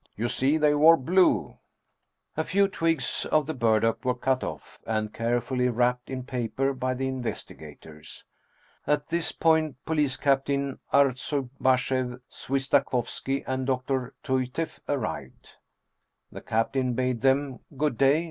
You see they wore blue !" A few twigs of the burdock were cut off, and care fully wrapped in paper by the investigators. At this point Police Captain Artsuybasheff Svistakovski and Dr. Tyutyeff arrived. The captain bade them " Good day